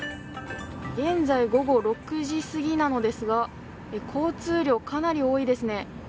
現在午後６時すぎなのですが交通量かなり多いですね。